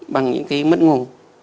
bằng những cái mất ngủ